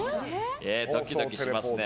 ドキドキしますね。